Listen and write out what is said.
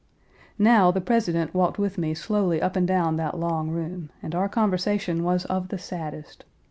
Now, the President walked with me slowly up and down that long room, and our conversation was of the saddest.